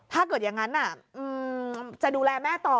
ถ้าเกิดอย่างนั้นจะดูแลแม่ต่อ